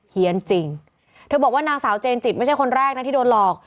เฮียนจริงเธอบอกว่านางสาวเจนจิตไม่ใช่คนแรกนะที่โดนหลอก